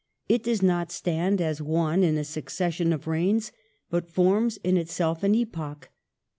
It does not stand as one in a succession of reigns, but forms in itself an epoch.